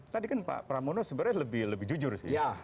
tadi kan pak pramono sebenarnya lebih jujur sih